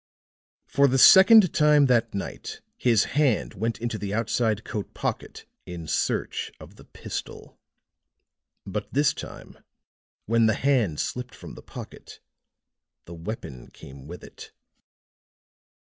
For the second time that night his hand went into the outside coat pocket in search of the pistol. But, this time, when the hand slipped from the pocket, the weapon came with it.